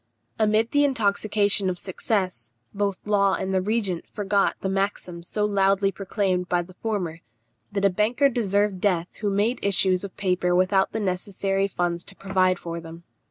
Amid the intoxication of success, both Law and the regent forgot the maxim so loudly proclaimed by the former, that a banker deserved death who made issues of paper without the necessary funds to provide for them.